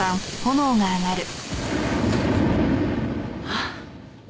あっ。